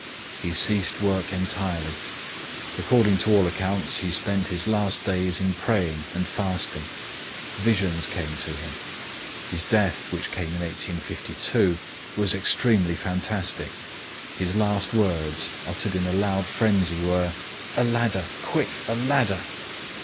He ceased work entirely. According to all accounts he spent his last days in praying and fasting. Visions came to him. His death, which came in 1852, was extremely fantastic. His last words, uttered in a loud frenzy, were: "A ladder! Quick, a ladder!"